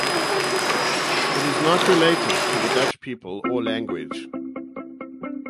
It is not related to the Dutch people or language.